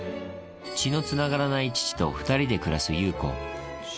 血のつながらない父と２人で暮らす優子。